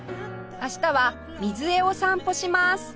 明日は瑞江を散歩します